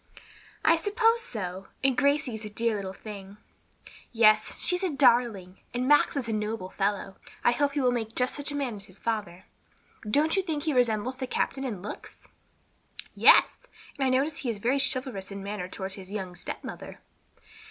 "I suppose so. And Gracie is a dear little thing." "Yes, she's a darling. And Max is a noble fellow. I hope he will make just such a man as his father. Don't you think he resembles the captain in looks?" "Yes, and I notice he is very chivalrous in his manner toward his young stepmother."